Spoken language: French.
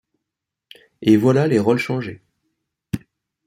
Et voilà les rôles changés.